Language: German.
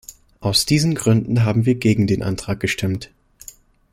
Aus diesen Gründen haben wir gegen den Antrag gestimmt.